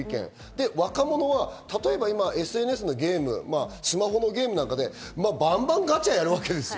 若者は例えばＳＮＳのゲーム、スマホのゲームなんかでバンバンガチャやるわけですよ。